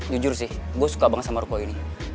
jujur sih gue suka banget sama ruko ini